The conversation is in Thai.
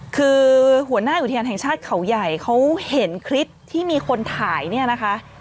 คือหัวหน้าอุทยานแห่งชาติเขาใหญ่เขาเห็นคลิปที่มีคนถ่ายเนี่ยนะคะ